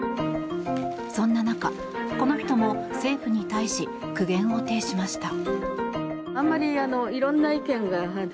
そんな中、この人も政府に対し苦言を呈しました。